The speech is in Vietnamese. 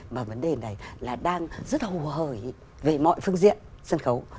và vấn đề này là đang rất hầu hởi về mọi phương diện sân khấu